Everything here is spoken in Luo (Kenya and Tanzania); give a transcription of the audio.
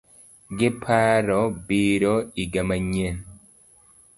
Giparo biro iga manyien